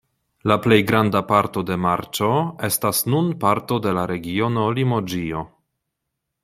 La plej granda parto de Marĉo estas nun parto de la regiono Limoĝio.